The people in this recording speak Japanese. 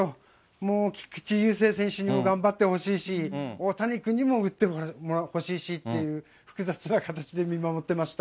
もう菊池雄星選手にも頑張ってほしいし、大谷君にも打ってほしいしっていう、複雑な形で見守ってました。